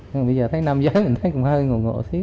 nhưng bây giờ thấy nam giới mình thấy cũng hơi ngộ ngộ xíu